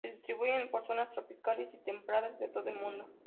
Se distribuyen por zonas tropicales y templadas de todo el mundo.